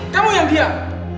kamu yang diam